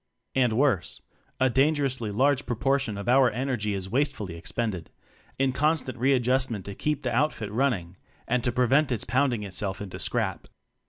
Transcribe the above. And worse a dangerously large proportion of pur energy is wastefully expended in constant readjustment to keep the outfit running, and to prevent its pounding itself into scrap.